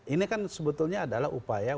ini kan sebetulnya adalah upaya